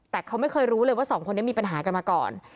แต่เขาไม่เคยรู้เลยว่าสองคนนี้มีปัญหากันมาก่อน